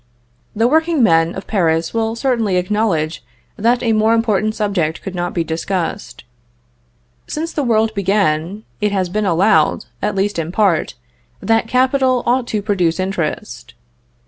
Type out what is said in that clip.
The working men of Paris will certainly acknowledge that a more important subject could not be discussed. Since the world began, it has been allowed, at least in part, that capital ought to produce interest.